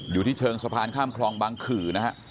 อยู่ที่เชิงสะพานข้ามคลองบางขื่อนะฮะ